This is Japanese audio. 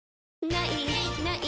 「ない！ない！